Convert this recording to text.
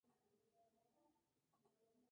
Es parte de la serie de Bomberman.